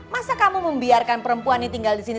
masa kamu membiarkan perempuan ini tinggal di sini